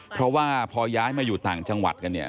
เพราะว่าพอย้ายมาอยู่ต่างจังหวัดกันเนี่ย